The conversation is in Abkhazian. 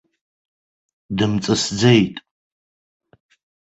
Дымҵысӡеит.